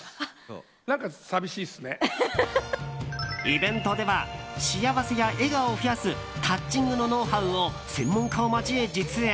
イベントでは幸せや笑顔を増やすタッチングのノウハウを専門家を交え実演。